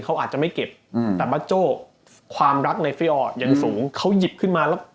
เขาอาจจะไม่เก็บอืมแต่ความรักในอย่างสูงเขาหยิบขึ้นมาแล้ว